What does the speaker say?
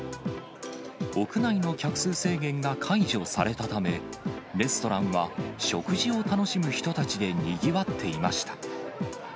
屋内の客数制限が解除されたため、レストランは食事を楽しむ人たちでにぎわっていました。